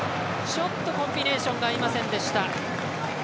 ちょっとコンビネーションが合いませんでした。